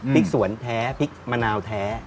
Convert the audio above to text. สวนแท้พริกมะนาวแท้